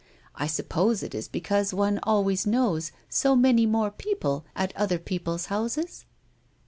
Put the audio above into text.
I suppose it is because one always knows so many more people* at other people's houses